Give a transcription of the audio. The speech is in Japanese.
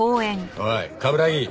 おい冠城